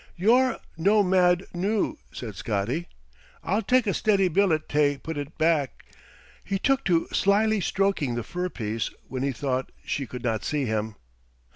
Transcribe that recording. "You're no mad noo?" said Scotty. "I'll tak' a steady billet tae put it back." He took to slyly stroking the fur piece when he thought she could not see him.